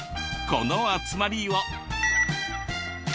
この集まりを。